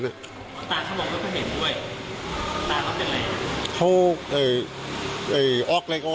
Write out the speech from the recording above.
อ๋อตาเขามองเขาก็เห็นด้วยตาเขาเป็นอะไรเขาเอ่ยเอ่ยออกเล็กออก